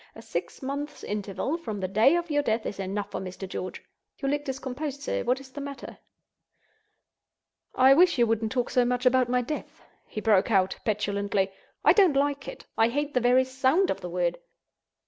A six months' interval from the day of your death is enough for Mr. George. You look discomposed, sir; what is the matter?" "I wish you wouldn't talk so much about my death," he broke out, petulantly. "I don't like it! I hate the very sound of the word!"